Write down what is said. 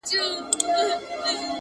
یوه ورځ گوربت زمري ته ویل وروره !